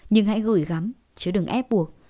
nhưng hãy gửi gắm chứ đừng ép buộc